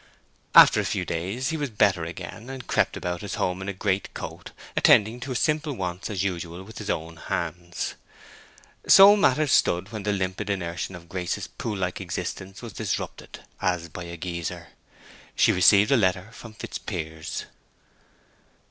After a few days he was better again, and crept about his home in a great coat, attending to his simple wants as usual with his own hands. So matters stood when the limpid inertion of Grace's pool like existence was disturbed as by a geyser. She received a letter from Fitzpiers.